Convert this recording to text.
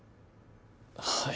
はい。